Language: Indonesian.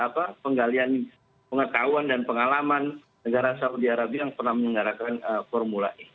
penggalian pengetahuan dan pengalaman negara saudi arabi yang pernah menggarakan formula e